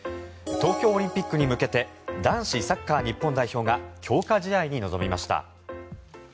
東京オリンピックに向けて男子サッカー日本代表が強化試合に臨みました。